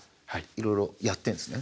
いろいろやってんすね。